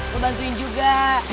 lo bantuin juga